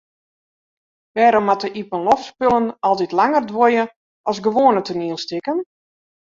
Wêrom moatte iepenloftspullen altyd langer duorje as gewoane toanielstikken?